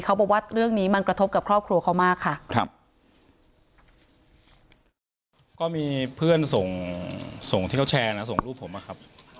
เขาบอกว่าเรื่องนี้มันกระทบกับครอบครัวเขามากค่ะ